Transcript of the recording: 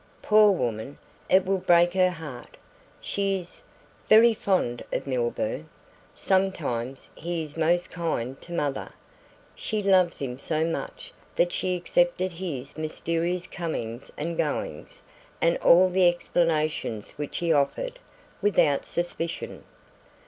Poor woman, it will break her heart. She is very fond of Milburgh. Sometimes he is most kind to mother. She loves him so much that she accepted his mysterious comings and goings and all the explanations which he offered, without suspicion."